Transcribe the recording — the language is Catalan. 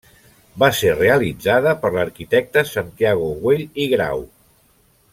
Va ser realitzada per l'arquitecte Santiago Güell i Grau.